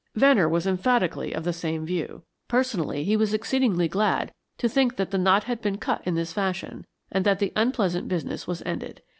Venner was emphatically of the same view; personally, he was exceedingly glad to think that the knot had been cut in this fashion and that the unpleasant business was ended.